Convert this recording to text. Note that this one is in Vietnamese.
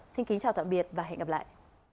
xin kính chào tạm biệt và hẹn gặp lại